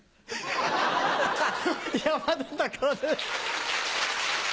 山田隆夫です。